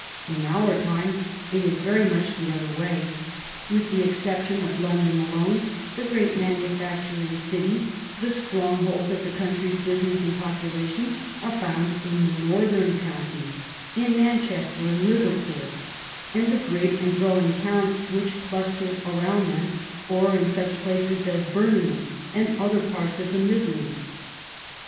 In our times it is very much the other way. With the exception of London alone, the great manu facturing cities, the strongholds of the country's busi ness and population, are found in the northern coun ties, in Manchester and Liverpool, and the great and growing towns which cluster around them, or in such places as Birmingham and other parts of the Midlands.